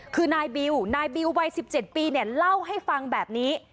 คือนายบิวนายบิววัย๑๗ปีเนี่ยเล่าให้ฟังแบบนี้